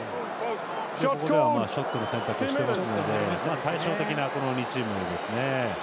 ここでショットの選択をしていますので、対照的な２チームですね。